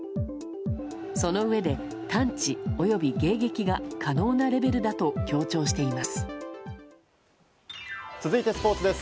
そのうえで、探知及び迎撃が可能なレベルだと強調しています。